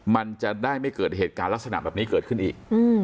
มันจะได้ไม่เกิดเหตุการณ์ลักษณะแบบนี้เกิดขึ้นอีก